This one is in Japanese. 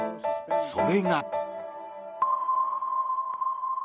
それが。